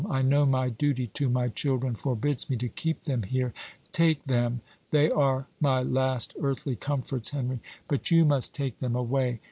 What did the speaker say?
I know my duty to my children forbids me to keep them here; take them they are my last earthly comforts, Henry but you must take them away.